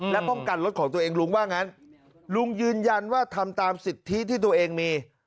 และป้องกันรถของตัวเองลุงว่างั้นลุงยืนยันว่าทำตามสิทธิที่ตัวเองมี